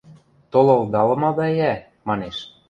– Толылдалымада йӓ, – манеш.